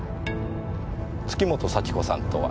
月本幸子さんとは？